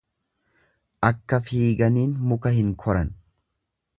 Akka fiiganiin muka hin koran.